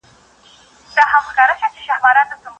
عدالت د حق د بريا نښه ده.